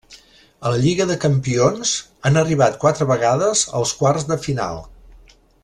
A la Lliga de Campions han arribat quatre vegades als quarts de final.